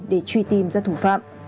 để truy tìm ra thủ phạm